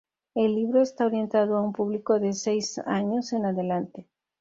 El libro está orientado a un público de seis años en adelante.